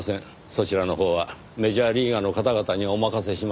そちらのほうはメジャーリーガーの方々にお任せしましょう。